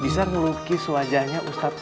bisa melukis wajahnya ustadz